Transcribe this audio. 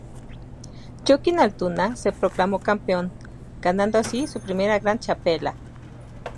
Jokin Altuna se proclamó campeón, ganando así su primera gran txapela.